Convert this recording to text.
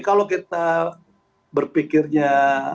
kalau kita berpikirnya